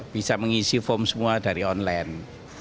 bisa mengisi form semua dari online